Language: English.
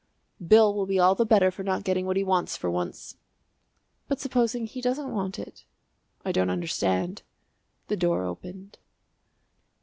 "Bill will be all the better for not getting what he wants for once." "But supposing he doesn't want it?" "I don't understand." The door opened.